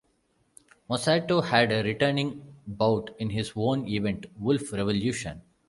Masato had a returning bout in his own event "Wolf Revolution".